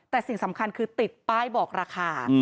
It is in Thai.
แต่สิ่งสำคัญคือติดป้ายบอกราคา